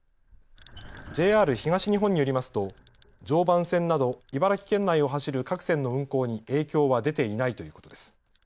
ＪＲ東日本によりますと常磐線など茨城県内を走る各線の運行に影響は出ていないということです。